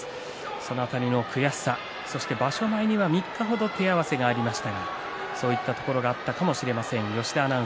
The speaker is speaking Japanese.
その辺りの悔しさそして場所前には３日程、手合わせがありましたがそういったところがあったかもしれません。